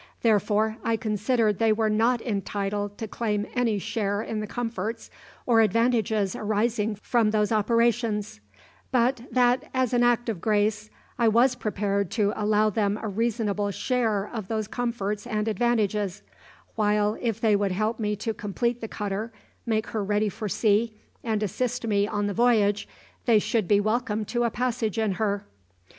Therefore I considered they were not entitled to claim any share in the comforts or advantages arising from those operations; but that, as an act of grace, I was prepared to allow them a reasonable share of those comforts and advantages; while, if they would help me to complete the cutter, make her ready for sea, and assist me on the voyage, they should be welcome to a passage in her.